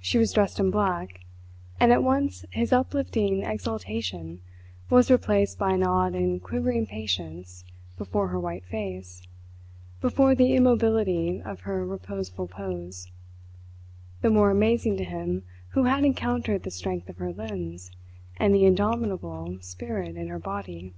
She was dressed in black; and at once his uplifting exultation was replaced by an awed and quivering patience before her white face, before the immobility of her reposeful pose, the more amazing to him who had encountered the strength of her limbs and the indomitable spirit in her body.